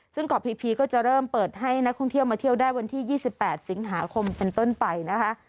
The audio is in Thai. ซึ่งเกาะพีก็จะเริ่มเปิดให้นักท่องเที่ยวมาเที่ยวได้วันที่๒๘สิงหาคมเป็นต้นไปนะคะ